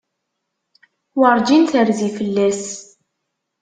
Werjin terzi fell-as.